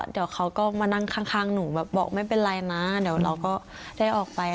แต่เขาก็มานั่งข้างหนูบอกว่าแบบไม่เป็นไรนะแบบเดี๋ยวเราก็ได้ออกไป